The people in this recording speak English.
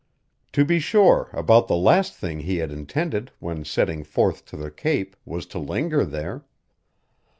To be sure, about the last thing he had intended when setting forth to the Cape was to linger there.